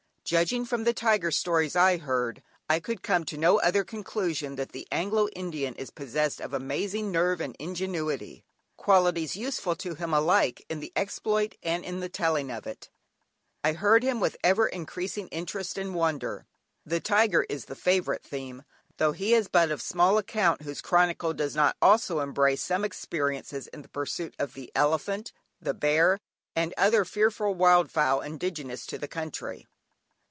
Judging from the tiger stories I heard, I could come to no other conclusion than that the Anglo Indian is possessed of amazing nerve and ingenuity (qualities useful to him alike in the exploit and in the telling of it), and I heard him with ever increasing interest and wonder. The tiger is the favourite theme, though he is but of small account whose chronicle does not also embrace some experiences in the pursuit of the elephant, the bear and other fearful wildfowl indigenous to the country.